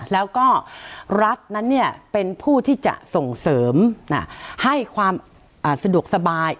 แล้วก็รัฐนั้นเป็นผู้ที่จะส่งเสริมให้ความสะดวกสบาย